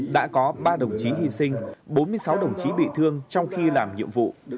đã có ba đồng chí hy sinh bốn mươi sáu đồng chí bị thương trong khi làm nhiệm vụ